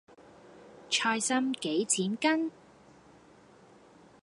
菜芯幾錢斤？